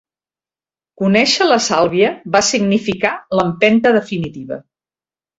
Conèixer la Sàlvia va significar l'empenta definitiva.